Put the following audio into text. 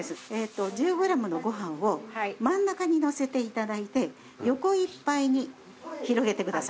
１０ｇのご飯を真ん中にのせていただいて横いっぱいに広げてください。